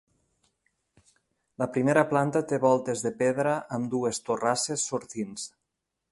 La primera planta té voltes de pedra amb dues torrasses sortints.